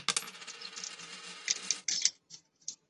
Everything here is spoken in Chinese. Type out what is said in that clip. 樱田元亲是安土桃山时代至江户时代初期的武将。